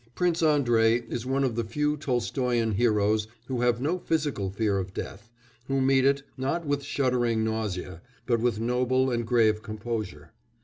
Prince Andrei is one of the few Tolstoyan heroes who have no physical fear of death, who meet it, not with shuddering nausea, but with noble and grave composure.